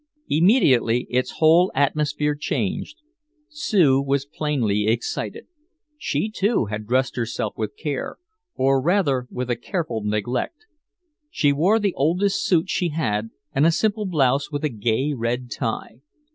Immediately its whole atmosphere changed. Sue was plainly excited. She, too, had dressed herself with care or rather with a careful neglect. She wore the oldest suit she had and a simple blouse with a gay red tie.